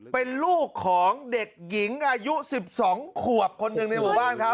เป็นลูกของเด็กหญิงอายุ๑๒ขวบคนหนึ่งในหมู่บ้านเขา